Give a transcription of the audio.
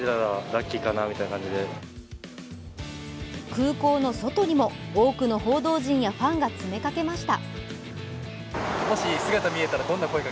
空港の外にも多くの報道陣やファンが詰めかけました。